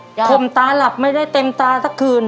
คมตาตระบของตาไม่ได้เต็มตาสักคืน